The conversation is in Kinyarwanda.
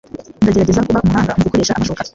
Ndagerageza kuba umuhanga mugukoresha amashoka.